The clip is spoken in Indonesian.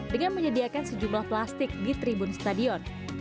dengan menyediakan sejumlah plastik di tribun stadion